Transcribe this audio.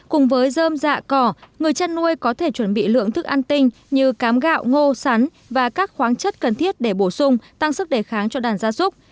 cùng với dơm dạ cỏ người chăn nuôi có thể chuẩn bị lượng thức ăn tinh như cám gạo ngô sắn và các khoáng chất cần thiết để bổ sung tăng sức đề kháng cho đàn gia súc